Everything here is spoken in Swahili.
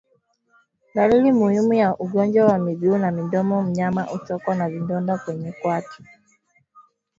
Dalili muhimu ya ugonjwa wa miguu na midomo mnyama hutokwa na vidonda kwenye kwato